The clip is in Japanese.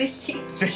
ぜひ！